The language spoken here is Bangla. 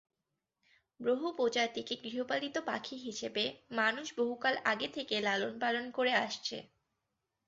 বহু প্রজাতিকে গৃহপালিত পাখি হিসেবে মানুষ বহুকাল আগে থেকে লালন-পালন করে আসছে।